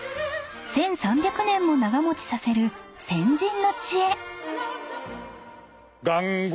［１，３００年も長持ちさせる先人の知恵］